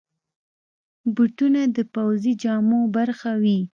بوټونه د پوځي جامو برخه وي.